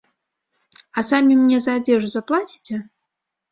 А самі мне за адзежу заплаціце?